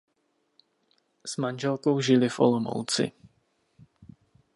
S manželkou žili v Olomouci.